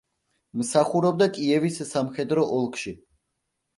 მსახურობდა კიევის სამხედრო ოლქში.